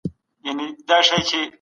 د لويي جرګې غونډي څنګه ثبت او ساتل کېږي؟